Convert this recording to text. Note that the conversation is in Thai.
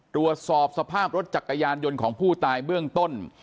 ตรวจสอบสภาพรถจักรยานยนต์ของผู้ตายเบื้องต้น